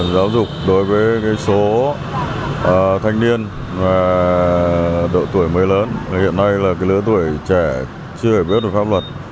giáo dục đối với số thanh niên và độ tuổi mới lớn hiện nay là lứa tuổi trẻ chưa hề biết được pháp luật